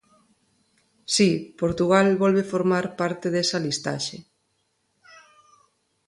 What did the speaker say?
Si, Portugal volve formar parte desa listaxe.